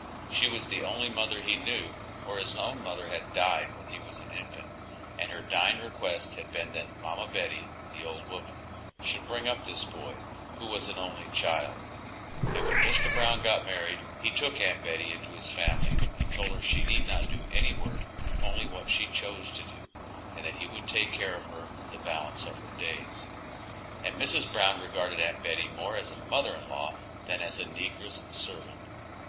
She was the only mother he knew, for his own mother had died when he was an infant, and her dying request had been that mamma Betty, the old woman, should bring up this boy, who was an only child; and when Mr. Brown got married he took Aunt Betty into his family and told her she need not do any work only what she chose to do, and that he would take care of her the balance of her days. And Mrs. Brown regarded Aunt Betty more as a mother in law than as a negress servant.